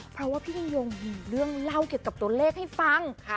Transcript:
เพราะว่าพี่ยิ่งยงมีเรื่องเล่าเกี่ยวกับตัวเลขให้ฟัง